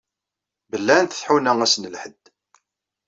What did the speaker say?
Bellɛent tḥuna ass n lḥedd.